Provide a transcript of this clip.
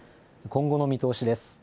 今後の見通しです。